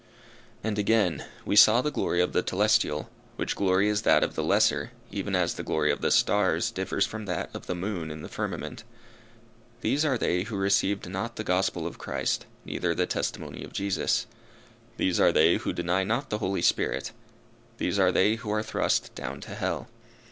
"And again, we saw the glory of the telestial, which glory is that of the lesser, even as the glory of the stars differs from that of the moon in the firmament. These are they who received not the Gospel of Christ, neither the testimony of Jesus. These are they who deny not the Holy Spirit. These are they who are thrust down to hell.